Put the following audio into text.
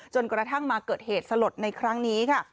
จนกระทั่งมาเกิดเหตุสลดในครั้งนี้ค่ะ